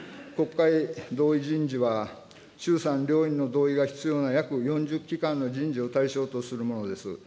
国会同意人事は、衆参両院の同意が必要な約４０機関の人事を対象とするものです。